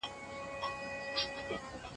زه به سبا د درسونو يادوم؟!